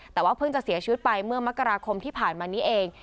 แต่ว่าเพิ่งจะเสียชีวิตไปเมื่อมกราคมที่ผ่านมานี้เอง